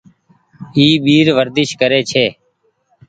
اي ٻير ورديش ڪري ڇي۔